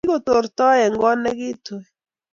kigotorto eng koot negituy